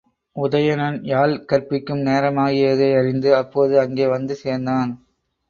உதயணன் யாழ் கற்பிக்கும் நேரமாகியதறிந்து அப்போது அங்கே வந்து சேர்ந்தான்.